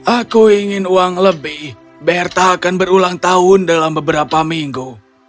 aku ingin uang lebih berta akan berulang tahun dalam beberapa minggu